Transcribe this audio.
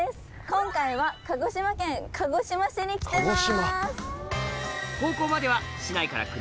今回は鹿児島県鹿児島市に来てます！